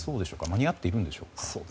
間に合っているんでしょうか？